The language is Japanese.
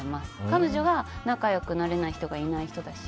彼女が仲良くなれない人がいない人だし。